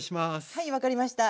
はい分かりました。